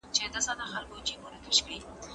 چي ډېر کسان یې